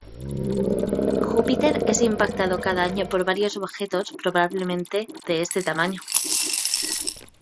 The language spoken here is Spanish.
Júpiter es impactado cada año, por varios objetos probablemente de este tamaño.